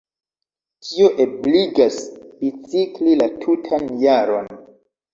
Tio ebligas bicikli la tutan jaron.